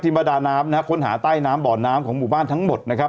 ประดาน้ำนะฮะค้นหาใต้น้ำบ่อน้ำของหมู่บ้านทั้งหมดนะครับ